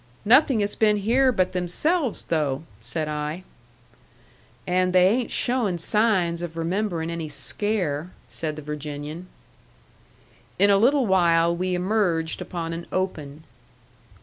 "Nothing has been here but themselves, though," said I. "And they ain't showing signs of remembering any scare," said the Virginian. In a little while we emerged upon an open.